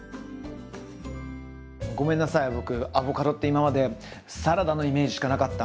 ごめんなさい僕アボカドって今までサラダのイメージしかなかった。